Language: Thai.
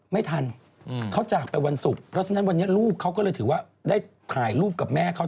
ไม่ทันเขาจากไปวันศุกร์เพราะฉะนั้นวันนี้ลูกเขาก็เลยถือว่าได้ถ่ายรูปกับแม่เขา